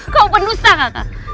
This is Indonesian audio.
kau pendusta kakak